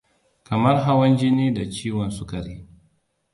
kamar hawan jini da ciwon sukari